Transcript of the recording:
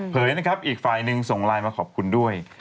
เผยนะครับอีกฝ่ายหนึ่งส่งไลน์มาขอบคุณด้วย